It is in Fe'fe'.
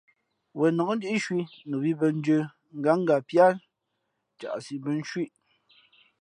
Wenǒk ndíꞌcwī nu mǐ bᾱ njə̄, ngǎnga píá caꞌsi bᾱ ncwíʼ.